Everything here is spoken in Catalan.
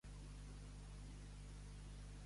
Apegar-se a roda.